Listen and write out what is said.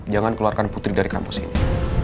jangan keluarkan putri dari kampus ini